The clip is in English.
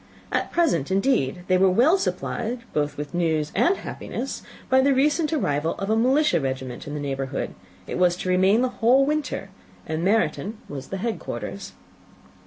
At present, indeed, they were well supplied both with news and happiness by the recent arrival of a militia regiment in the neighbourhood; it was to remain the whole winter, and Meryton was the head quarters.